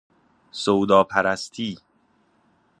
سودا پرستی